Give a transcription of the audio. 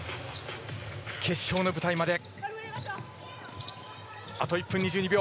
決勝の舞台まであと１分２２秒。